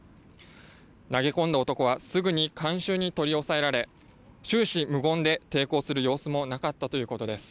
投げ込んだ男はすぐに観衆に取り押さえられ終始、無言で抵抗する様子もなかったということです。